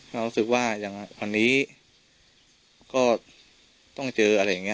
รู้สึกว่าอย่างวันนี้ก็ต้องเจออะไรอย่างนี้